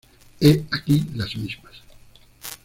He aquí las mismas.